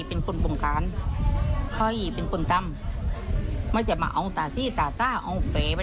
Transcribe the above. ก็กดวนเจ้าทางจำกัดกลับขึ้น